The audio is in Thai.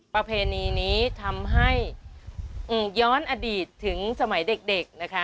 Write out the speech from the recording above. ประเพณีนี้ทำให้ย้อนอดีตถึงสมัยเด็กนะคะ